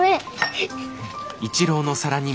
はい。